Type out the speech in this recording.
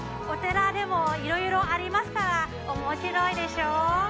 お寺でもいろいろありますから、おもしろいでしょう？